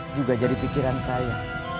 juga jadi pikiran saya